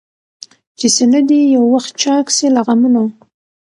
چي سينه دي يو وخت چاك سي له غمونو؟